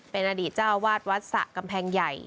เป็นอดีตเจ้าวาดวัดสระกำแพงใหญ่